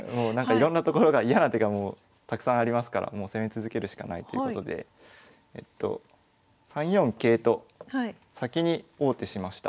いろんな所が嫌な手がもうたくさんありますから攻め続けるしかないということで３四桂と先に王手しました。